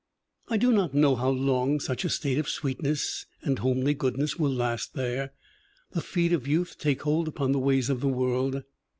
"I do not know how long such a state of sweetness and homely goodness will last there. The feet of youth take hold upon the ways of the world.